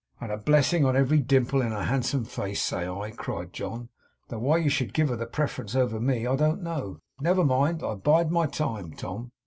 'And a blessing on every dimple in her handsome face, say I!' cried John, 'though why you should give her the preference over me, I don't know. Never mind. I bide my time, Tom.